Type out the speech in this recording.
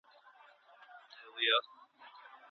لوی ویاړونه یوازي په لیاقت پوري نه سي تړل کېدلای.